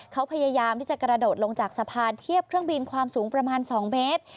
เขาพยายามที่จะกระโดดลงจากสะพานเทียบเครื่องบินความสูงประมาณ๒เมตร